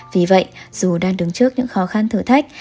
vì vậy dù đang đứng trước những khó khăn thử thách